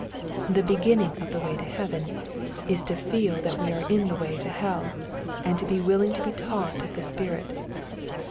The beginning of the way to heaven, is to feel that we are in the way to hell, and to be willing to be taught of the Spirit.